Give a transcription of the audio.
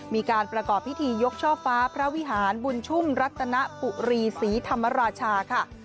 มีการประกอบพิธียกช่อฟ้าพระวิหารบุญชุ่มรัตนปุรีศรีธรรมราชาค่ะ